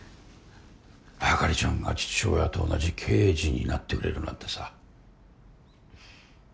朱梨ちゃんが父親と同じ刑事になってくれるなんてさ。